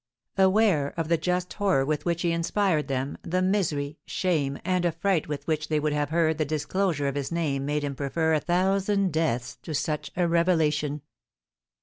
Aware of the just horror with which he inspired them, the misery, shame, and affright with which they would have heard the disclosure of his name made him prefer a thousand deaths to such a revelation.